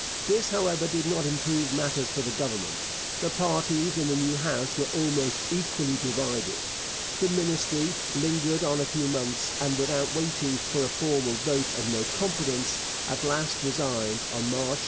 This, however, did not improve matters for the Government. The parties in the new House were almost equally divided. The Ministry lingered on a few months, and, without waiting for a formal vote of no confidence, at last resigned on March 21, 1864.